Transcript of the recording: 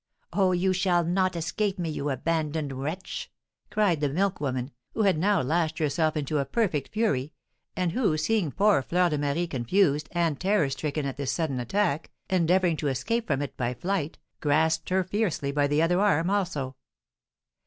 Oh, you shall not escape me, you abandoned wretch!" cried the milk woman, who had now lashed herself into a perfect fury, and who, seeing poor Fleur de Marie confused and terror stricken at this sudden attack, endeavouring to escape from it by flight, grasped her fiercely by the other arm also.